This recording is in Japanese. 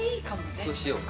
そうしようか。